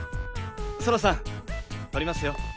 ソラさん撮りますよ。